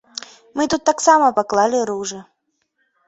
Мы тут таксама паклалі ружы.